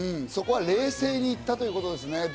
そこは冷静にいったということですね。